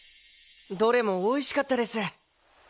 どれもおいしかったです！